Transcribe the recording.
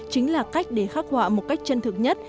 chính là cách để khắc họa một cách chân thực nhất